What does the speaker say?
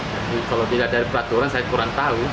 tapi kalau dilihat dari peraturan saya kurang tahu